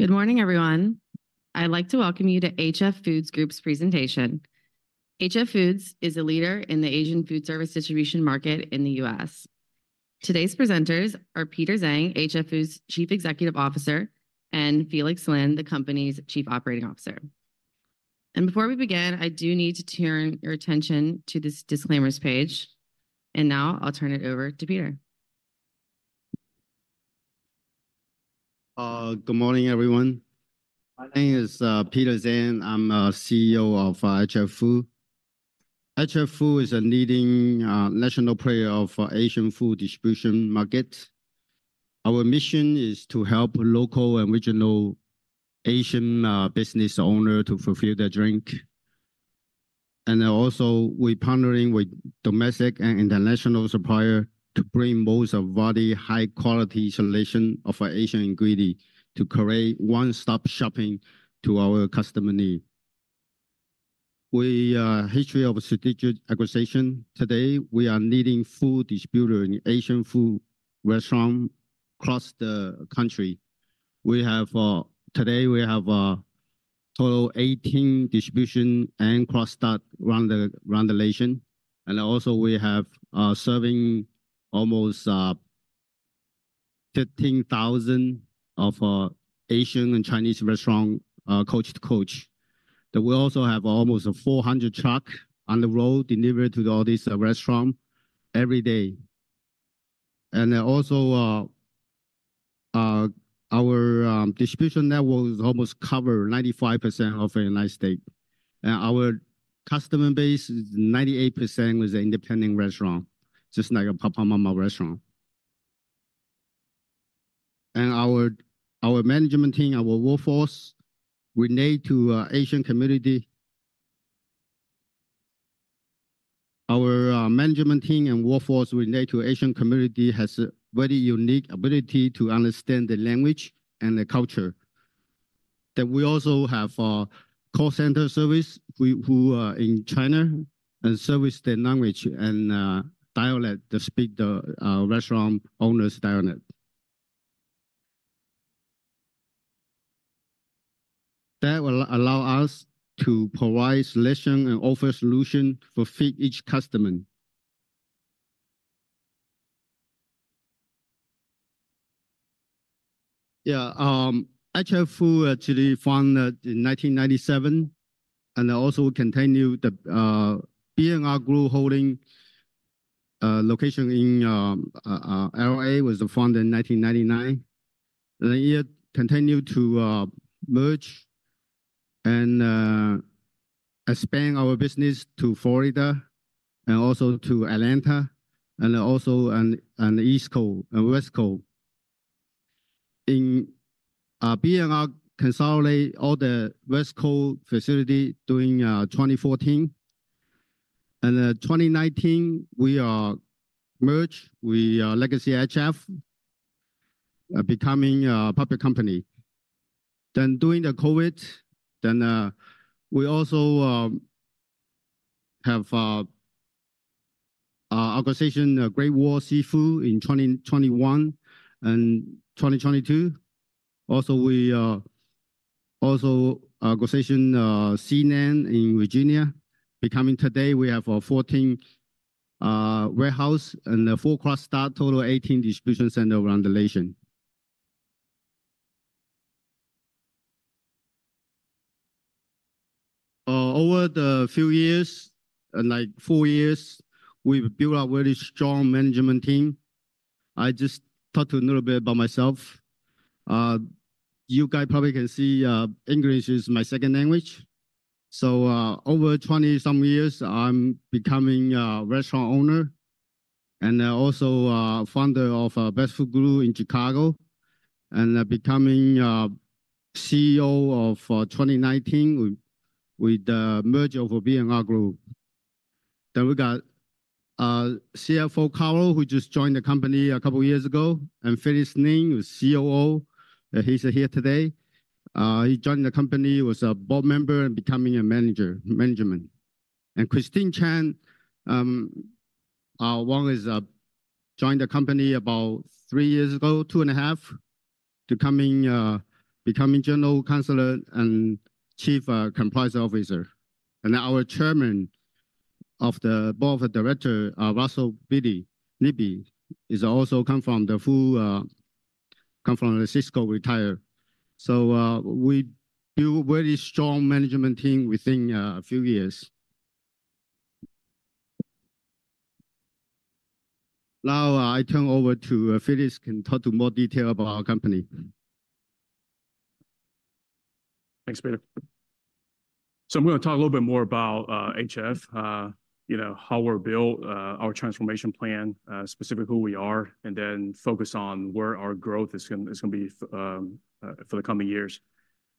Good morning, everyone. I'd like to welcome you to HF Foods Group's presentation. HF Foods is a leader in the Asian food service distribution market in the U.S. Today's presenters are Peter Zhang, HF Foods' Chief Executive Officer, and Felix Lin, the company's Chief Operating Officer. Before we begin, I do need to turn your attention to this disclaimers page. Now, I'll turn it over to Peter. Good morning, everyone. My name is Peter Zhang. I'm CEO of HF Foods. HF Foods is a leading national player of Asian food distribution market. Our mission is to help local and regional Asian business owner to fulfill their dream. And also, we're partnering with domestic and international supplier to bring boards of very high quality selection of Asian ingredient to create one-stop shopping to our customer need. We history of strategic acquisition. Today, we are leading food distributor in Asian food restaurant across the country. Today, we have total 18 distribution and cross-dock around the nation. And also, we have serving almost 15,000 of Asian and Chinese restaurant coast to coast. But we also have almost 400 truck on the road deliver to all these restaurant every day. And then also, our distribution network is almost cover 95% of the United States, and our customer base is 98% is an independent restaurant, just like a mom-and-pop restaurant. And our management team, our workforce, relate to Asian community. Our management team and workforce relate to Asian community has a very unique ability to understand the language and the culture. That we also have call center service, we, who are in China, and service the language and dialect, they speak the restaurant owners dialect. That will allow us to provide solution and offer solution to fit each customer. Yeah, HF Foods actually founded in 1997, and also continued the B&R Global Holdings location in LA, was founded in 1999. It continued to merge and expand our business to Florida and also to Atlanta and also on the East Coast and West Coast. In B&R consolidate all the West Coast facility during 2014. In 2019, we are merge, we Legacy HF becoming a public company. During the COVID, we also have acquisition Great Wall Seafood in 2021 and 2022. Also, we also acquisition Sealand Food in Virginia. Today, we have 14 warehouse and four cross-dock, total 18 distribution center around the nation. Over the few years, like four years, we've built a very strong management team. I just talked a little bit about myself. You guys probably can see, English is my second language. So, over 20-some years, I'm becoming a restaurant owner and also founder of Best Food Group in Chicago, and becoming CEO in 2019 with the merger of B&R Global Holdings. Then we got CFO, Carlos P. Rodriguez, who just joined the company a couple years ago, and Felix Lin, who's COO, he's here today. He joined the company as a board member and becoming management. And Christine Chan is joined the company about three years ago, 2.5, becoming General Counsel and Chief Compliance Officer. And our chairman of the board of directors, Russell T. Libby, is also come from the food, come from Sysco, retired. So, we build very strong management team within a few years. Now, I turn over to Felix, who can talk in more detail about our company. Thanks, Peter. So I'm gonna talk a little bit more about HF, you know, how we're built, our transformation plan, specifically who we are, and then focus on where our growth is gonna be for the coming years.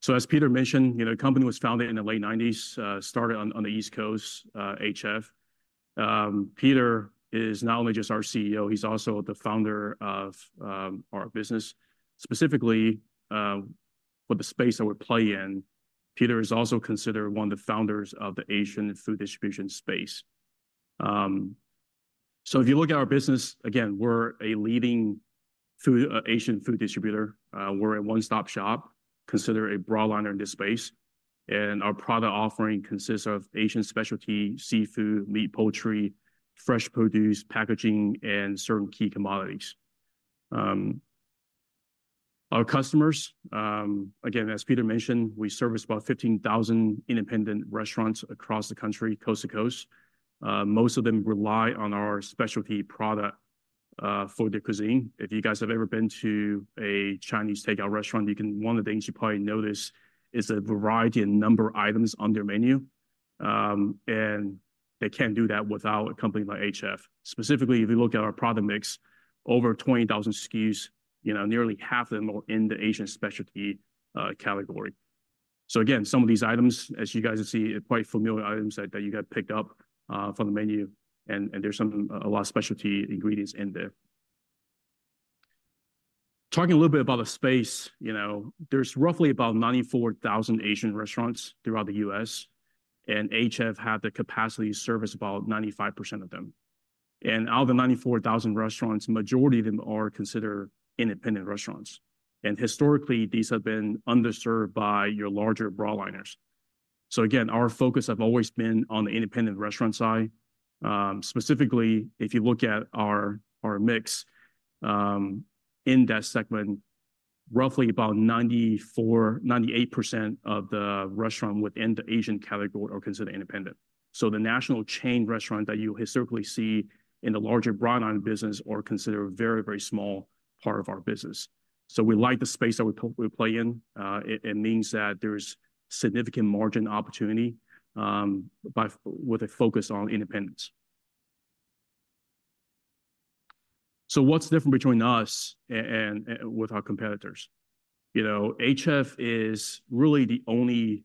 So as Peter mentioned, you know, the company was founded in the late nineties, started on the East Coast, HF. Peter is not only just our CEO, he's also the founder of our business. Specifically, for the space that we play in, Peter is also considered one of the founders of the Asian food distribution space. So if you look at our business, again, we're a leading food Asian food distributor. We're a one-stop shop, considered a broadliner in this space, and our product offering consists of Asian specialty, seafood, meat, poultry, fresh produce, packaging, and certain key commodities. Our customers, again, as Peter mentioned, we service about 15,000 independent restaurants across the country, coast to coast. Most of them rely on our specialty product for their cuisine. If you guys have ever been to a Chinese takeout restaurant, you can, one of the things you probably notice is the variety and number of items on their menu. And they can't do that without a company like HF. Specifically, if you look at our product mix, over 20,000 SKUs, you know, nearly half of them are in the Asian specialty category. So again, some of these items, as you guys can see, are quite familiar items that you guys picked up from the menu, and there's some, a lot of specialty ingredients in there. Talking a little bit about the space, you know, there's roughly about 94,000 Asian restaurants throughout the U.S., and HF have the capacity to service about 95% of them. And out of the 94,000 restaurants, majority of them are considered independent restaurants. And historically, these have been underserved by your larger broadliners. So again, our focus have always been on the independent restaurant side. Specifically, if you look at our mix in that segment, roughly about 94%-98% of the restaurant within the Asian category are considered independent. So the national chain restaurant that you historically see in the larger broadliner business are considered a very, very small part of our business. So we like the space that we play in. It means that there's significant margin opportunity with a focus on independents. So what's different between us and our competitors? You know, HF is really the only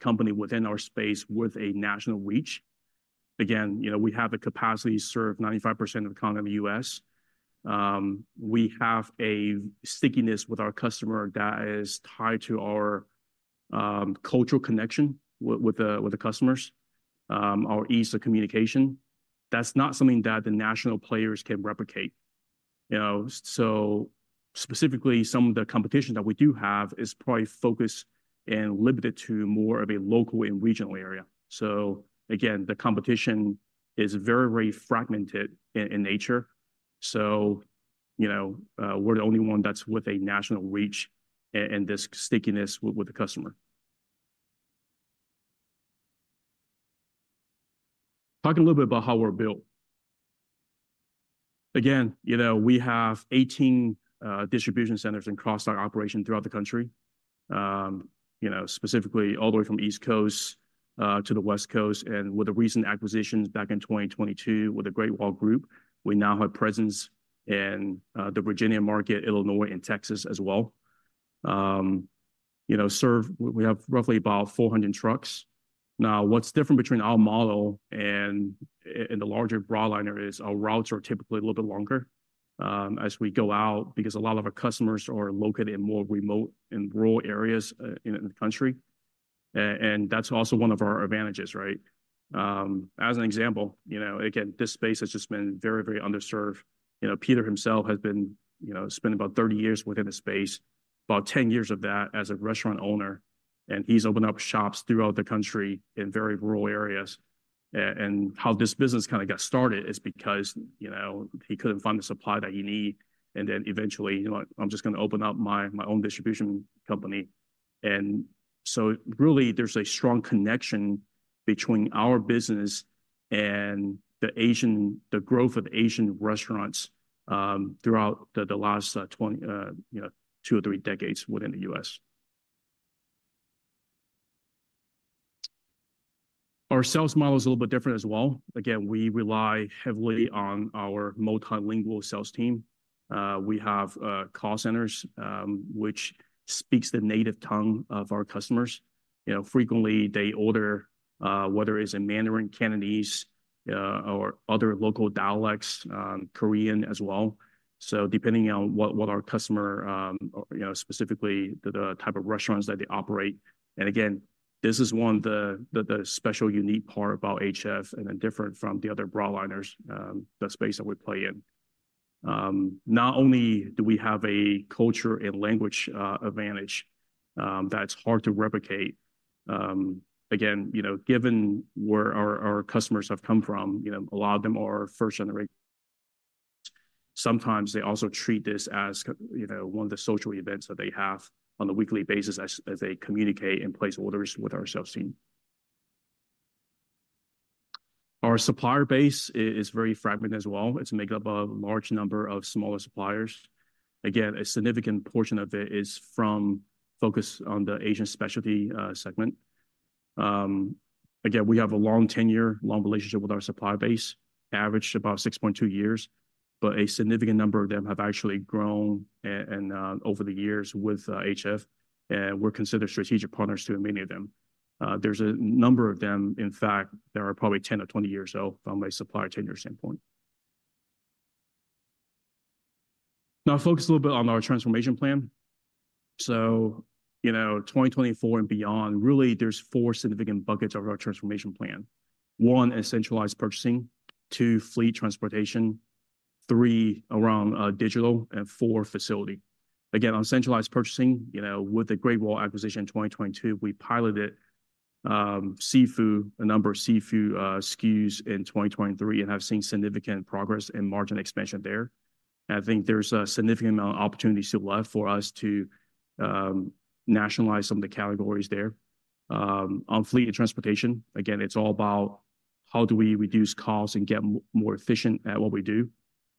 company within our space with a national reach. Again, you know, we have the capacity to serve 95% of the economy of the US. We have a stickiness with our customer that is tied to our cultural connection with the customers, our ease of communication. That's not something that the national players can replicate, you know? So specifically, some of the competition that we do have is probably focused and limited to more of a local and regional area. So again, the competition is very, very fragmented in nature. So, you know, we're the only one that's with a national reach and this stickiness with the customer. Talk a little bit about how we're built. Again, you know, we have 18 distribution centers and cross-dock operation throughout the country. You know, specifically all the way from East Coast to the West Coast, and with the recent acquisitions back in 2022 with the Great Wall, we now have presence in the Virginia market, Illinois, and Texas as well. You know, we have roughly about 400 trucks. Now, what's different between our model and the larger broadliner is our routes are typically a little bit longer as we go out, because a lot of our customers are located in more remote and rural areas in the country. And that's also one of our advantages, right? As an example, you know, again, this space has just been very, very underserved. You know, Peter himself has been, you know, spent about 30 years within the space, about 10 years of that as a restaurant owner, and he's opened up shops throughout the country in very rural areas. And how this business kind of got started is because, you know, he couldn't find the supply that he need, and then eventually, "You know what? I'm just going to open up my own distribution company." And so really, there's a strong connection between our business and the Asian, the growth of Asian restaurants throughout the last 20, you know, two or three decades within the U.S. Our sales model is a little bit different as well. Again, we rely heavily on our multilingual sales team. We have call centers, which speaks the native tongue of our customers. You know, frequently, they order whether it's in Mandarin, Cantonese, or other local dialects, Korean as well. So depending on what our customer, you know, specifically the type of restaurants that they operate. And again, this is one of the special, unique part about HF and are different from the other broadliners, the space that we play in. Not only do we have a culture and language advantage that's hard to replicate, again, you know, given where our customers have come from, you know, a lot of them are first generation. Sometimes they also treat this as you know, one of the social events that they have on a weekly basis as they communicate and place orders with our sales team. Our supplier base is very fragmented as well. It's made up of a large number of smaller suppliers. Again, a significant portion of it is from focus on the Asian specialty segment. Again, we have a long tenure, long relationship with our supplier base, averaged about 6.2 years, but a significant number of them have actually grown and over the years with HF, and we're considered strategic partners to many of them. There's a number of them, in fact, that are probably 10 or 20 years old from a supplier tenure standpoint. Now focus a little bit on our transformation plan. So, you know, 2024 and beyond, really, there's four significant buckets of our transformation plan. One is centralized purchasing, two, fleet transportation, three, around digital, and four, facility. Again, on centralized purchasing, you know, with the Great Wall acquisition in 2022, we piloted seafood, a number of seafood SKUs in 2023 and have seen significant progress in margin expansion there. And I think there's a significant amount of opportunities still left for us to nationalize some of the categories there. On fleet and transportation, again, it's all about how do we reduce costs and get more efficient at what we do.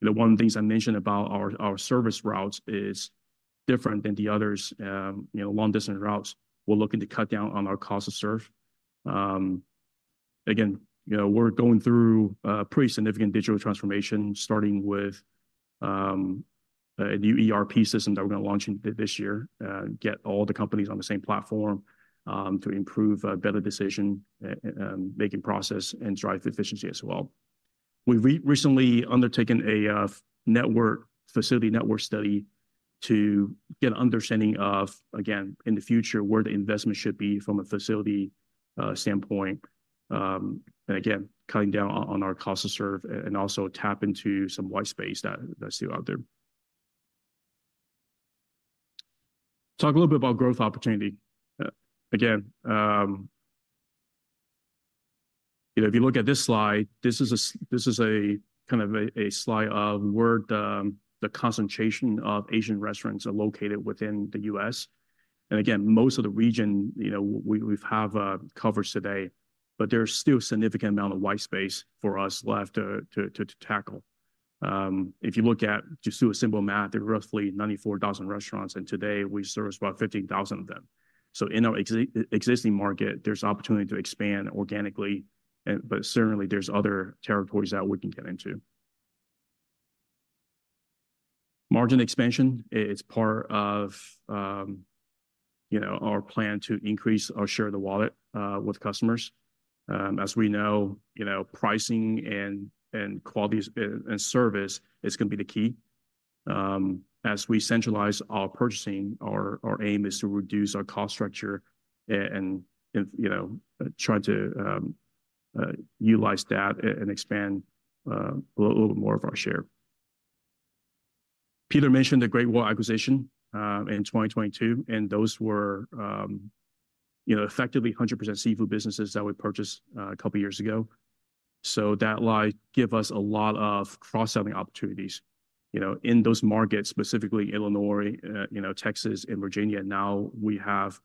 The one thing I mentioned about our service routes is different than the others, you know, long-distance routes. We're looking to cut down on our cost to serve. Again, you know, we're going through a pretty significant digital transformation, starting with a new ERP system that we're going to launch in this year, get all the companies on the same platform, to improve a better decision making process and drive efficiency as well. We've recently undertaken a facility network study to get an understanding of, again, in the future, where the investment should be from a facility standpoint. And again, cutting down on our cost to serve and also tap into some white space that's still out there. Talk a little bit about growth opportunity. Again, you know, if you look at this slide, this is a kind of a slide of where the concentration of Asian restaurants are located within the U.S. And again, most of the region, you know, we have coverage today, but there's still a significant amount of white space for us left to tackle. If you look at, just do a simple math, there are roughly 94,000 restaurants, and today we service about 15,000 of them. So in our existing market, there's opportunity to expand organically, and but certainly there's other territories that we can get into. Margin expansion is part of, you know, our plan to increase our share of the wallet with customers. As we know, you know, pricing and quality and service is going to be the key. As we centralize our purchasing, our aim is to reduce our cost structure and, you know, try to utilize that and expand a little bit more of our share. Peter mentioned the Great Wall acquisition in 2022, and those were, you know, effectively 100% seafood businesses that we purchased a couple of years ago. So that'll give us a lot of cross-selling opportunities, you know, in those markets, specifically Illinois, you know, Texas and Virginia. Now, we have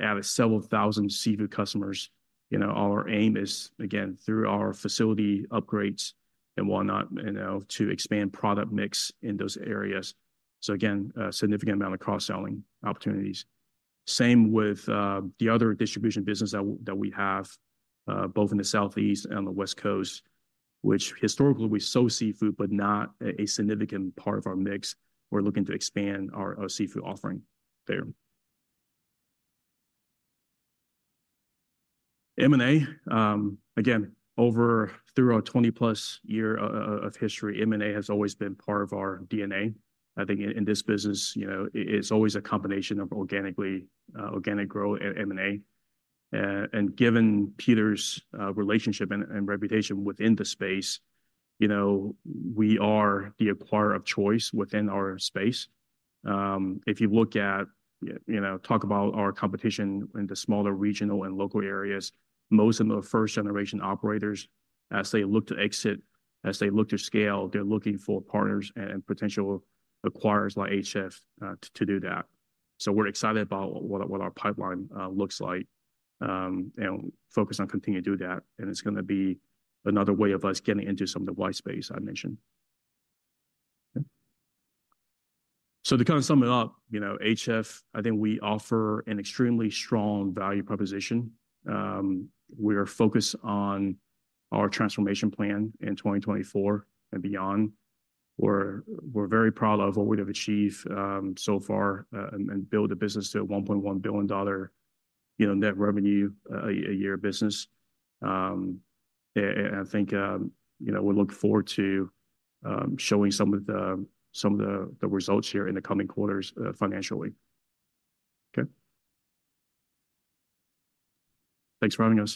added several thousand seafood customers. You know, our aim is, again, through our facility upgrades and whatnot, you know, to expand product mix in those areas. So again, a significant amount of cross-selling opportunities. Same with the other distribution business that we have both in the Southeast and the West Coast, which historically, we sell seafood, but not a significant part of our mix. We're looking to expand our seafood offering there. M&A again, over through our twenty-plus year of history, M&A has always been part of our DNA. I think in this business, you know, it's always a combination of organic growth and M&A. And given Peter's relationship and reputation within the space, you know, we are the acquirer of choice within our space. If you look at, you know, talk about our competition in the smaller regional and local areas, most of them are first-generation operators. As they look to exit, as they look to scale, they're looking for partners and potential acquirers like HF, to, to do that. So we're excited about what our, what our pipeline, looks like, and focus on continuing to do that, and it's going to be another way of us getting into some of the white space I mentioned. Okay. So to kind of sum it up, you know, HF, I think we offer an extremely strong value proposition. We are focused on our transformation plan in 2024 and beyond. We're, we're very proud of what we have achieved, so far, and, and build a business to a $1.1 billion, you know, net revenue, a year business. I think, you know, we look forward to showing some of the results here in the coming quarters, financially. Okay. Thanks for having us.